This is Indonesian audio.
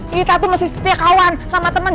kita tuh masih setia kawan sama temen